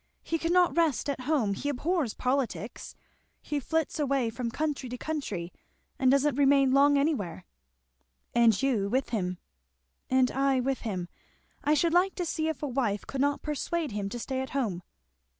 He cannot rest at home he abhors politics he flits way from country to country and doesn't remain long anywhere." "And you with him." "And I with him. I should like to see if a wife could not persuade him to stay at home."